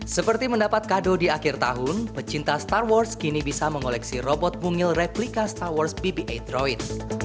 seperti mendapat kado di akhir tahun pecinta star wars kini bisa mengoleksi robot bungil replika star wars bb delapan droid